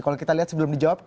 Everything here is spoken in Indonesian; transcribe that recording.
kalau kita lihat sebelum dijawab